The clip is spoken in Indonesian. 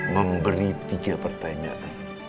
memberi tiga pertanyaan